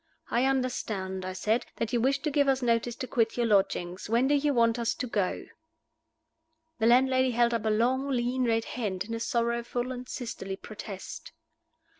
"I understand," I said, "that you wish to give us notice to quit your lodgings. When do you want us to go?" The landlady held up a long, lean, red hand, in a sorrowful and sisterly protest.